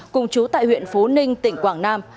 cùng chú tại huyện phú ninh tỉnh quảng nam